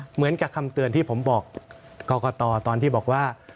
เหมือนกับคำเตือนที่ผมบอกกรกตตอนที่บอกว่า